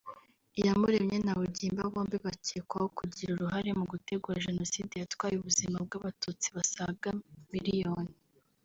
Iyamuremye na Mugimba bombi bakekwaho kugira uruhare mu gutegura Jenoside yatwaye ubuzima bw’Abatutsi basaga miliyoni